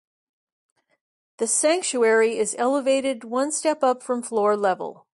The sanctuary is elevated one step up from floor level.